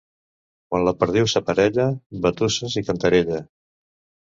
Quan la perdiu s'aparella, batusses i cantarella.